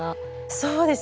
そうです。